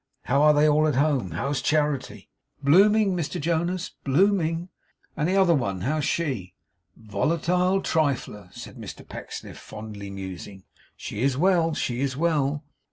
How are they all at home? How's Charity?' 'Blooming, Mr Jonas, blooming.' 'And the other one; how's she?' 'Volatile trifler!' said Mr Pecksniff, fondly musing. 'She is well, she is well.